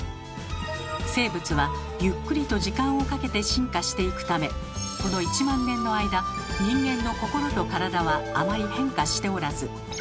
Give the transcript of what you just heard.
生物はゆっくりと時間をかけて進化していくためこの１万年の間人間の心と体はあまり変化しておらずということは。